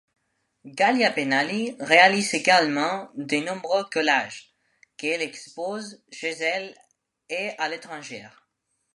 Ghalia Benali réalise également de nombreux collages qu'elle expose chez elle et à l'étranger.